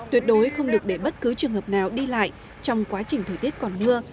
tuyệt đối không được để bất cứ trường hợp nào đi lại trong quá trình thời tiết còn mưa